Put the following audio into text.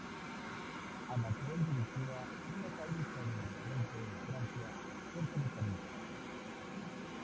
Anatol dirigiría una fábrica de armamento en Francia, cerca de París.